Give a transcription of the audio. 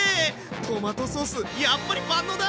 トマトソースやっぱり万能だ！